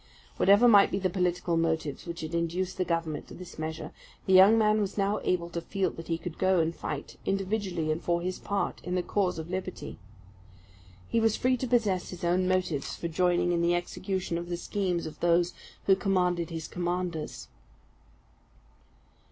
Whatever might be the political motives which had induced the Government to this measure, the young man was now able to feel that he could go and fight, individually and for his part, in the cause of liberty. He was free to possess his own motives for joining in the execution of the schemes of those who commanded his commanders.